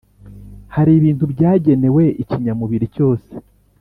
Hari ibintu byagenewe ikinyamubiri cyose,